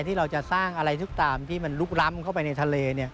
ที่เราจะสร้างอะไรทุกตามที่มันลุกล้ำเข้าไปในทะเล